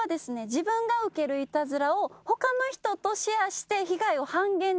自分が受けるイタズラを他の人とシェアして被害を半減できるという効果が。